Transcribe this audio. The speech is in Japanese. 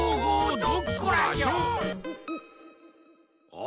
あ！